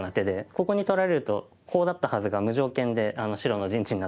ここに取られるとコウだったはずが無条件で白の陣地になってしまって。